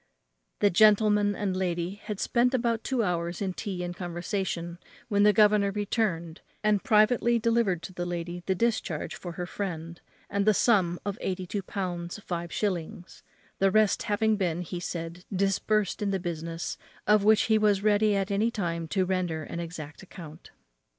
The gentleman and lady had spent about two hours in tea and conversation, when the governor returned, and privately delivered to the lady the discharge for her friend, and the sum of eighty two pounds five shillings; the rest having been, he said, disbursed in the business, of which he was ready at any time to render an exact account.